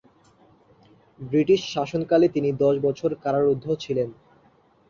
British শাসনকালে তিনি দশ বছর কারারুদ্ধ ছিলেন।